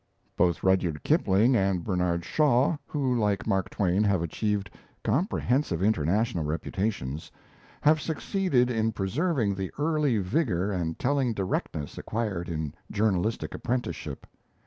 Both Rudyard Kipling and Bernard Shaw, who like Mark Twain have achieved comprehensive international reputations, have succeeded in preserving the early vigour and telling directness acquired in journalistic apprenticeship.